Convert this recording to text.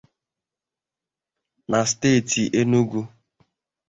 na steeti Enugu